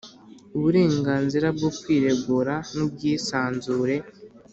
Uburenganzira bwo kwiregura n’ubwisanzure